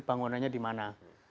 bangunannya di mana